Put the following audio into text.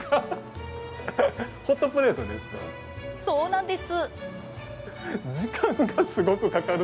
そうなんです。